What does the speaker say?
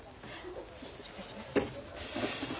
失礼いたします。